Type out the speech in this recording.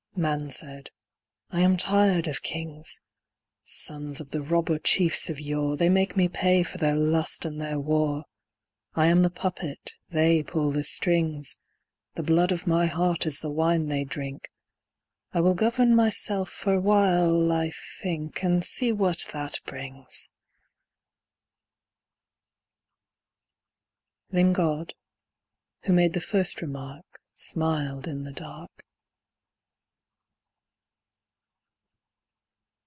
Man said, "I am tired of kings! Sons of the robber chiefs of yore, They make me pay for their lust and their war; I am the puppet, they pull the strings; The blood of my heart is the wine they drink. I will govern myself for while I think, And see what that brings!" Then God, who made the first remark, Smiled in the dark.